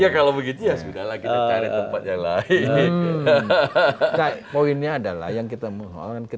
kalau begitu ya sudah lah kita cari tempat yang lain